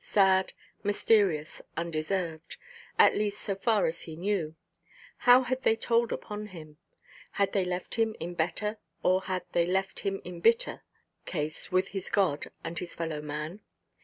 Sad, mysterious, undeserved—at least so far as he knew—how had they told upon him? Had they left him in better, or had they left him in bitter, case with his God and his fellow–man?